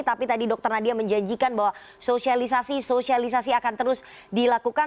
tapi tadi dr nadia menjanjikan bahwa sosialisasi sosialisasi akan terus dilakukan